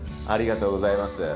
ありがとうございます。